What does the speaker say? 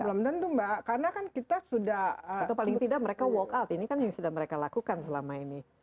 belum tentu mbak karena kan kita sudah atau paling tidak mereka walk out ini kan yang sudah mereka lakukan selama ini